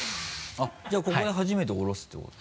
じゃあここで初めておろすってこと？